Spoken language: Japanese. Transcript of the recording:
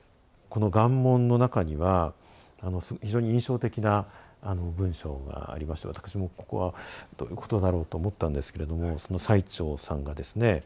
この「願文」の中には非常に印象的な文章がありまして私もここはどういうことだろうと思ったんですけれどもその最澄さんがですね